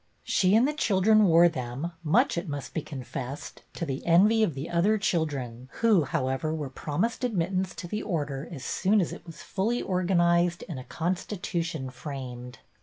She and the children wore them, much, it must be confessed, to the envy of the other children, who, however, were promised admit tance to the Order as soon as it was fully I THE ORDER OF THE CUP 207 oro'anized and a constitution framed.